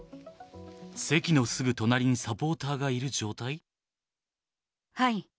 席のすぐ隣にサポーターがいはい。